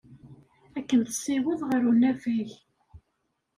Ad kem-tessiweḍ ɣer unafag.